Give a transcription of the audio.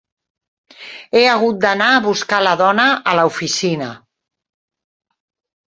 He hagut d'anar a buscar la dona a l'oficina.